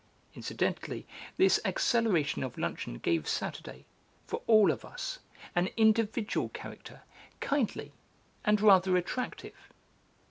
Incidentally this acceleration of luncheon gave Saturday, for all of us, an individual character, kindly and rather attractive.